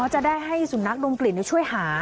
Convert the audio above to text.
จะได้ให้สุนัขดมกลิ่นช่วยหา